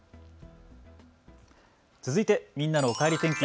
続いてみんなのおかえり天気。